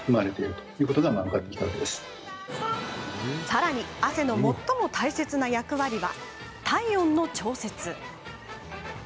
さらに、汗の最も大切な役割は体温の調節。